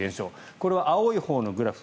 これは青いほうのグラフ